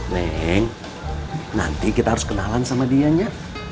neng nanti kita harus kenalan sama dianya